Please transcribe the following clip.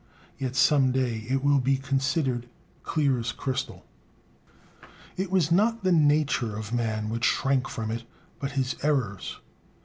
Yet some day it will be considered clear as crystal. It was not the "nature" of man which shrank from it, but his "errors."